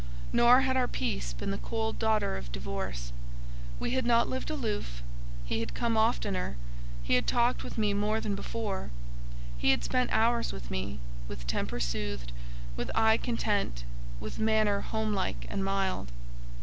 Nor had our peace been the cold daughter of divorce; we had not lived aloof; he had come oftener, he had talked with me more than before; he had spent hours with me, with temper soothed, with eye content, with manner home like and mild.